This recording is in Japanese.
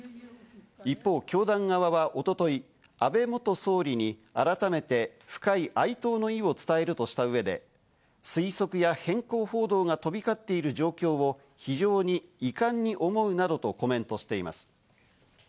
一方、教団側は一昨日、安倍元総理に改めて深い哀悼の意を伝えるとした上で、推測や偏向報道が飛び交っている状況を、非常に遺憾に思うなどとコメントしています。